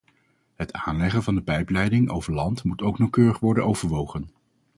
Het aanleggen van de pijpleiding over land moet ook nauwkeurig worden overwogen.